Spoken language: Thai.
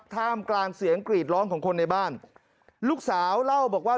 ท่ามกลางเสียงกรีดร้องของคนในบ้านลูกสาวเล่าบอกว่า